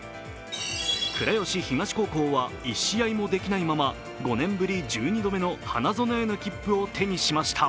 倉吉東高校は１試合もできないまま５年ぶり１２度目の花園への切符を手にしました。